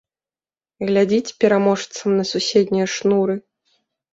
Глядзіць пераможцам на суседнія шнуры.